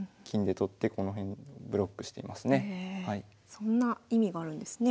そんな意味があるんですね。